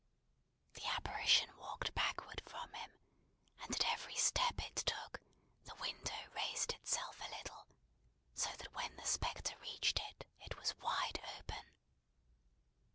The apparition walked backward from him; and at every step it took, the window raised itself a little, so that when the spectre reached it, it was wide open.